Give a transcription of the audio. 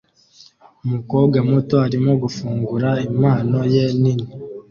Umukobwa muto arimo gufungura impano ye nini